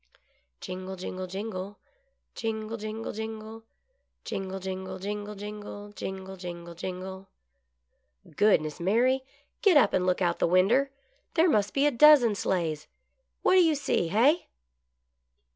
Jingle, jingle, jingle, Jingle, jingle, jingle; Jingle, jingle, jingle, jingle. Jingle, jingle, jingle /" Goodness, Mary, get up and look out of the winder. There must be a dozen sleighs. What do you see — hey